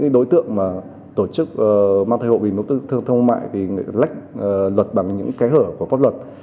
đối tượng mà tổ chức mang thái hộ vì mục đích thương mại thì lách luật bằng những cái hở của pháp luật